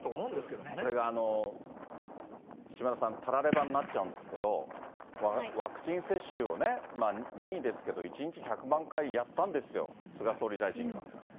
これが島田さん、たらればになっちゃうんですけど、ワクチン接種を任意ですけど１日１００万回やったんですよ、菅総理大臣は。